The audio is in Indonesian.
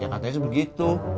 ya katanya pasti begitu